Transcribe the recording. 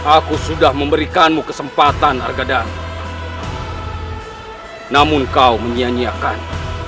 aku sudah memberikanmu kesempatan argadang namun kau menyia nyiakan